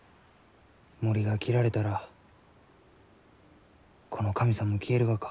森が切られたらこの神さんも消えるがか？